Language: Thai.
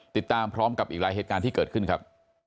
ติดตามพร้อมกับอีกหลายเหตุการณ์ที่เกิดขึ้นครับ